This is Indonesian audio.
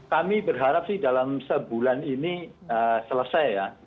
kami berharap dalam sebulan ini selesai